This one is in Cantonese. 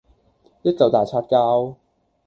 一嚿大擦膠